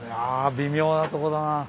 微妙なとこだな。